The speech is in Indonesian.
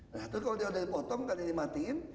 nah itu kalau dia udah dipotong kali ini matiin